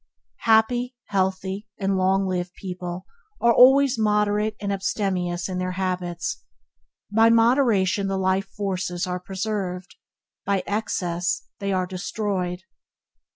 Healthy, happy, and long lived people are always moderate and abstemious in their habits. By moderation the life forces are preserved; by excess they are destroyed.